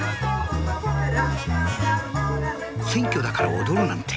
選挙だから踊るなんて